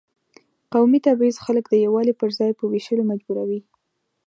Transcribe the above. قومي تبعیض خلک د یووالي پر ځای په وېشلو مجبوروي.